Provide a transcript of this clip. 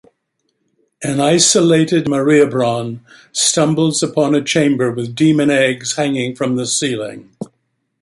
An isolated Mariabronne stumbles upon a chamber with demon eggs hanging from the ceiling.